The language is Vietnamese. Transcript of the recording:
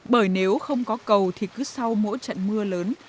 bởi nếu không có cầu thì cứ sau mỗi trận mưa lớn